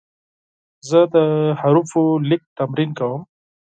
زه د حروفو لیک تمرین کوم.